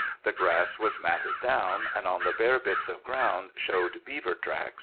The grass was matted down, and on the bare bits of ground showed beaver tracks.